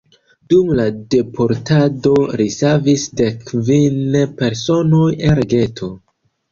Dum la deportado li savis dekkvin personoj el geto.